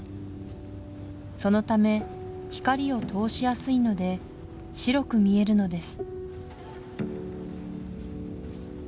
そのため光を通しやすいので白く見えるのです